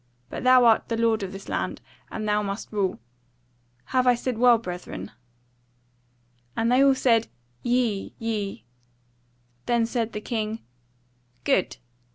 But thou art the lord in this land, and thou must rule. Have I said well, brethren?" And they all said "Yea, yea." Then said the king; "Good!